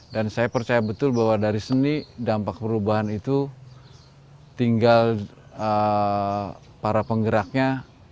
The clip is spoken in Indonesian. dan saya percaya betul bahwa dari seni dampak perubahan itu tinggal para penggeraknya